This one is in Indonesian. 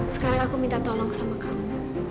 sekarang aku minta tolong sama kamu